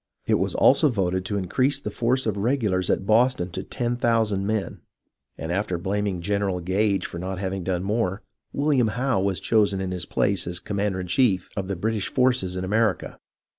It was also voted to increase the force of regulars at Boston to ten thousand men, and after blaming General Gage for not having done more, William Howe was chosen in his place as commander in chief of the British forces in America.